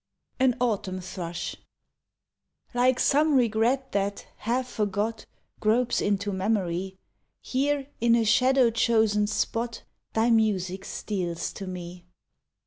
33 AN AUTUMN THRUSH Like some regret that, half forgot, Gropes into memory, Here in a shadow chosen spot Thy music steals to me.